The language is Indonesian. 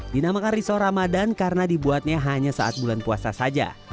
dinamakan risol ramadan karena dibuatnya hanya saat bulan puasa saja